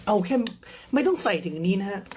เอาแค่ไม่ต้องใส่ถึงนี้นะฮะ